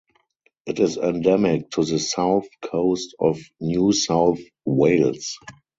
It is endemic to the south coast of New South Wales.